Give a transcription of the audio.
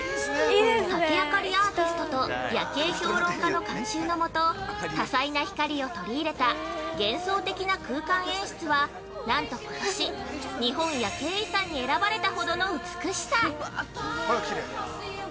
竹明かりアーティストと夜景評論家の監修のもと多彩な光を取り入れた幻想的な空間演出はなんとことし、日本夜景遺産に選ばれたほどの美しさ。